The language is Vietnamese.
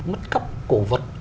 mất cấp cổ vật